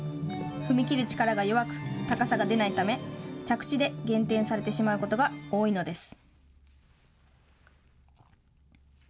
踏み切る力が弱く高さが出ないため着地で減点されてしまうことが多いのです。